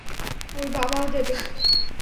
ওর বাবাও দেবে।